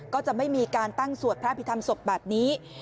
ก็จะไม่มีการตั้งสวดพระพิธรรมศพแบบนี้